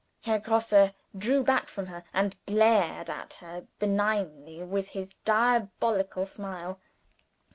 Herr Grosse drew back from her, and glared at her benignantly with his diabolical smile.